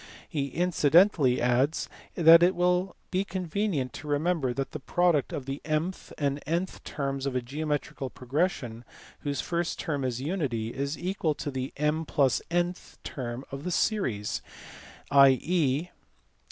He incidentally adds that it will be convenient to remember that the product of the mth and ?ith terms of a geometrical progression, whose first term is unity, is equal to the (ra + n)fh term of the series, i.e.